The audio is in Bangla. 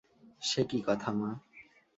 সে কী কথা মা।